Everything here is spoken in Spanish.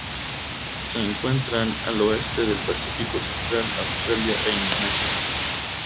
Se encuentran al oeste del Pacífico central: Australia e Indonesia.